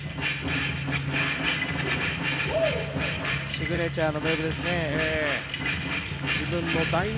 シグネチャーのムーブですよね。